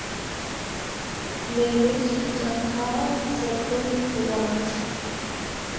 لەیلێی سوسەن خاڵ سەر تۆپی گوڵان